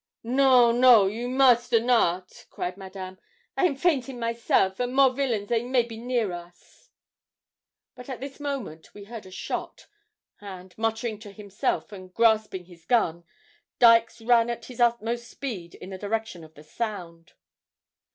'No, no; you moste not,' cried Madame. 'I am fainting myself, and more villains they may be near to us.' But at this moment we heard a shot, and, muttering to himself and grasping his gun, Dykes ran at his utmost speed in the direction of the sound.